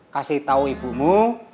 kasih tau ibumu